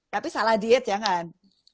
tapi salah diet ya kan